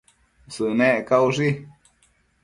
Sënec caushi